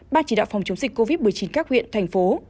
ban chỉ đạo phòng chống dịch covid một mươi chín các huyện thành phố